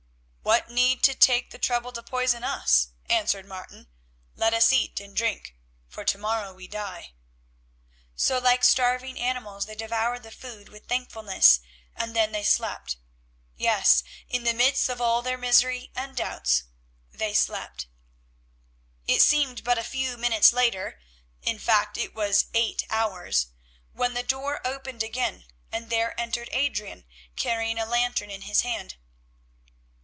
"What need to take the trouble to poison us?" answered Martin. "Let us eat and drink, for to morrow we die." So like starving animals they devoured the food with thankfulness and then they slept, yes, in the midst of all their misery and doubts they slept. It seemed but a few minutes later—in fact it was eight hours—when the door opened again and there entered Adrian carrying a lantern in his hand.